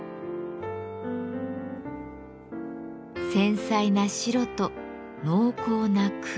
「繊細な白」と「濃厚な黒」。